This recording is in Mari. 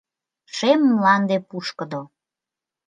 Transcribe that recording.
Шем мланде пушкыдо.